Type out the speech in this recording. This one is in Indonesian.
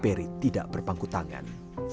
perry tidak berpangku tangan